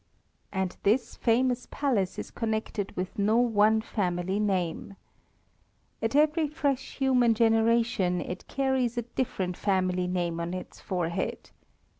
And this famous Palace is connected with no one family name. At every fresh human generation it carries a different family name on its forehead.